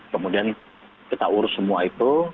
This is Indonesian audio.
kemudian kita urus semua itu